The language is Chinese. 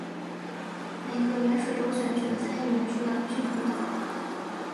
每个原始州选举的参议员数量必须同等。